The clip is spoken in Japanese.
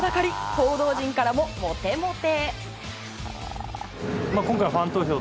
報道陣からもモテモテ。